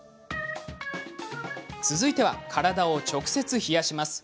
続いては、体を直接冷やします。